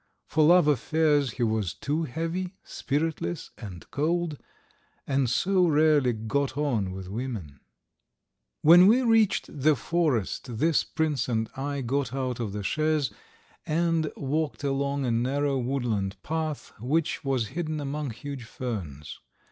For love affairs he was too heavy, spiritless, and cold, and so rarely got on with women. ... When we reached the forest this prince and I got out of the chaise and walked along a narrow woodland path which was hidden among huge ferns.